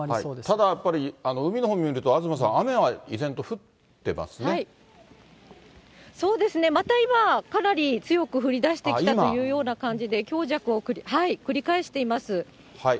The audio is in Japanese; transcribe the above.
ただ、やっぱり海のほうを見ると、東さん、そうですね、また今、かなり強く降りだしてきたというような感じで、強弱を繰り返しています。